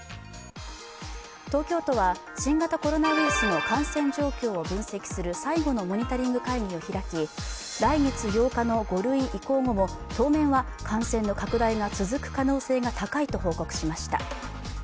東京都は新型コロナウイルスの感染状況を分析する最後のモニタリング会議を開き、来月８日の５類移行後も当面は感染の拡大が続く可能性が高いと報告しました。